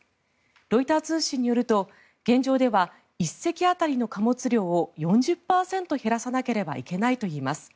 ロイター通信によると現状では１隻当たりの貨物量を４０％減らさなければいけないといいます。